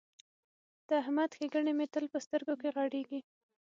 د احمد ښېګڼې مې تل په سترګو کې غړېږي.